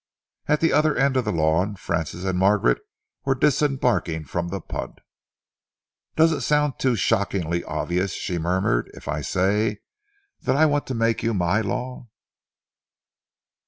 At the other end of the lawn, Francis and Margaret were disembarking from the punt. "Does it sound too shockingly obvious," she murmured, "if I say that I want to make you my law?"